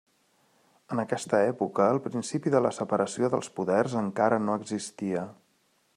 En aquesta època el principi de la separació dels poders encara no existia.